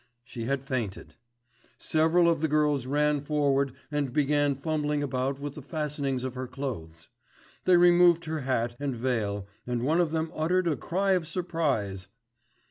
She had fainted. Several of the girls ran forward and began fumbling about with the fastenings of her clothes. They removed her hat and veil, and one of them uttered a cry of surprise.